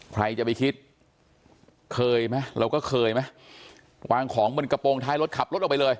ใครจะไปคิดเคยไหมเราก็เคยไหมวางของบนกระโปรงท้ายรถขับรถออกไปเลย